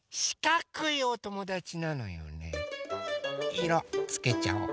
いろつけちゃおう。